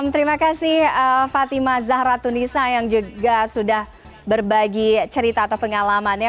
terima kasih fatima zahra tunisa yang juga sudah berbagi cerita atau pengalamannya